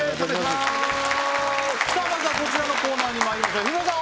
まずはこちらのコーナーにまいりましょう日村さん